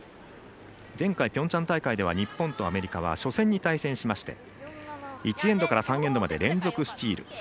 前回ピョンチャン大会では日本とアメリカは初戦に対戦しまして１エンドから３エンドまで連続スチール。